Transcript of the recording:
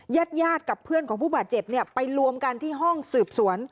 ญาติญาติกับเพื่อนของผู้บาดเจ็บไปรวมกันที่ห้องสืบสวน